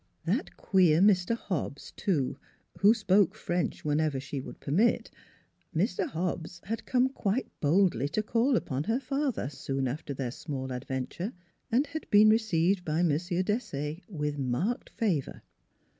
That queer Mr. Hobbs, too, who spoke French whenever she would permit. ... Mr. Hobbs had come quite boldly to call upon her father soon after their small adventure, and had been received by M. Desaye with marked favor.